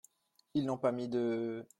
Ils n’ont pas mis de ?